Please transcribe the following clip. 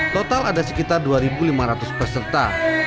total ada sekitar dua lima ratus peserta